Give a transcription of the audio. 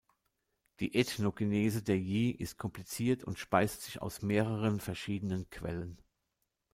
Die Ethnogenese der Yi ist kompliziert und speist sich aus mehreren verschiedenen Quellen.